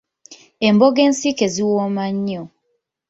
Emboga ensiike ziwooma nnyo.